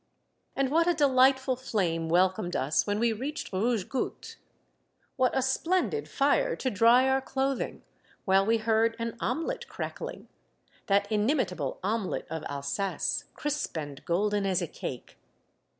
And what a delightful flame welcomed us when Alsace! Alsace! 137 we reached Rouge Goutte ! What a splendid fire to dry our clothing, while we heard an omelette crackling, — that inimitable omelette of Alsace, crisp and golden as a cake.